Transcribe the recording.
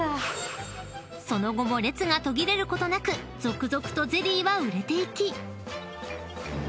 ［その後も列が途切れることなく続々とゼリーは売れていき］